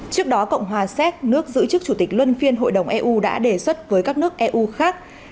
trước đó cộng hòa séc nước giữ chức chủ tịch luân phiên hội đồng eu đã đề xuất với các nước eu khác